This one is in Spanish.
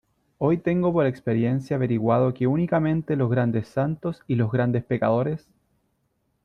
hoy tengo por experiencia averiguado que únicamente los grandes santos y los grandes pecadores ,